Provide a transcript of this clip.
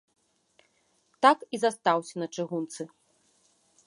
Так і застаўся на чыгунцы.